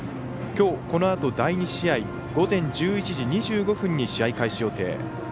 きょう、このあと第２試合、午前１１時２５分に試合開始予定。